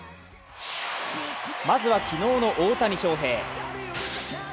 まずは昨日の大谷翔平。